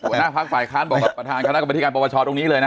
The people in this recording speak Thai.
หัวหน้าพักฝ่ายค้านบอกกับประธานคณะกรรมธิการปรปชตรงนี้เลยนะ